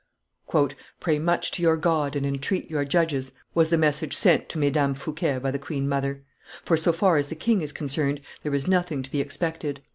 "Pray much to your God and entreat your judges," was the message sent to Mesdames Fouquet by the queen Snother, "for, so far as the king is concerned, there is nothing to be expected."